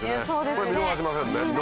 これ見逃せませんね。